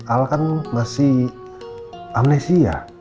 al kan masih amnesia